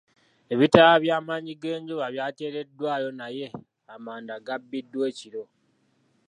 Ebitala by'amannyi g'enjuba by'ateereddwayo naye amanda gabbiddwa ekiro.